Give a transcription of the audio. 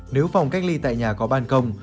nếu phòng cách ly tại nhà có ban công